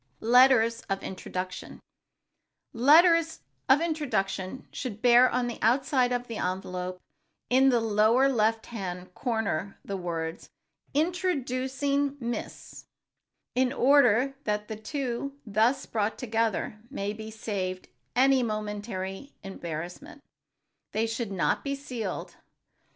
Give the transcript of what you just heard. [Sidenote: LETTERS OF INTRODUCTION] Letters of introduction should bear on the outside of the envelope, in the lower left hand corner the words, "Introducing Miss ——," in order that the two thus brought together may be saved any momentary embarrassment. They should not be sealed.